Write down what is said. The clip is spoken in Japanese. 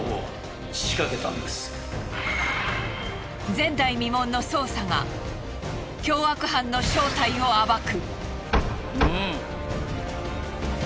前代未聞の捜査が凶悪犯の正体を暴く。